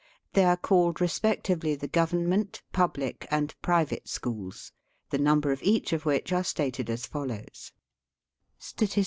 , They are called respectively the government, public, and private schools, the number of each of which are stated as follows :— Kind.